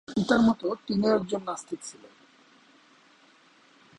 তার পিতার মত, তিনিও একজন নাস্তিক ছিলেন।